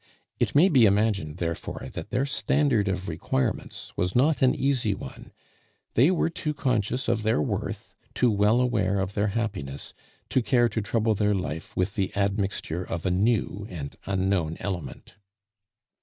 It may be imagined, therefore, that their standard of requirements was not an easy one; they were too conscious of their worth, too well aware of their happiness, to care to trouble their life with the admixture of a new and unknown element.